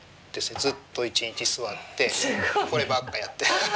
ずっと一日座ってこればっかやって。